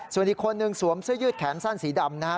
ส่วนอีกคนนึงสวมเสื้อยืดแขนสั้นสีดำนะฮะ